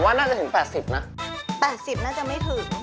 น่าจะถึง๘๐นะ๘๐น่าจะไม่ถึง